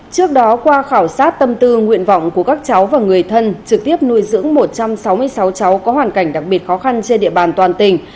trước đó qua khảo sát tâm tư nguyện vọng của các cháu và người thân trực tiếp nuôi dưỡng một trăm sáu mươi sáu cháu có hoàn cảnh đặc biệt khó khăn trên địa bàn toàn tỉnh